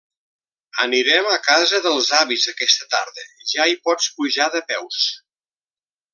Anirem a casa dels avis aquesta tarda, ja hi pots pujar de peus.